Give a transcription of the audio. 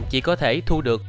chỉ có thể thu được